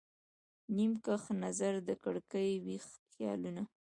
نیم کښ نظر د کړکۍ، ویښ خیالونه